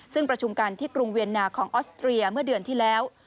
ซึ่งประชุมกันที่กรุงเวียนนาของออสเตรียเมื่อเดือนที่แล้ว